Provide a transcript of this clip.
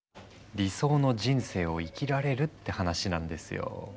理想の人生を生きられるって話なんですよ。